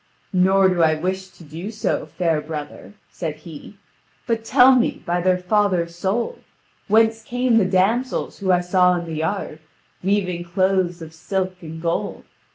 "Nor do I wish to do so, fair brother," said he; "but tell me, by thy father's soul, whence came the damsels whom I saw in the yard, weaving cloths of silk and gold.